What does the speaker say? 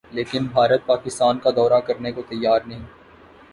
لیکن بھارت پاکستان کا دورہ کرنے کو تیار نہیں